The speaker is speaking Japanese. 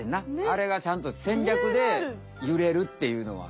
あれがちゃんと戦略でゆれるっていうのは。